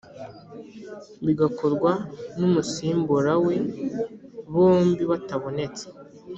Bigakorwa n umusimbura we bombi batabonetse